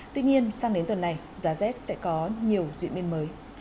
tuy nhiên sang đến tuần này giá rét sẽ có nhiều diễn biến mới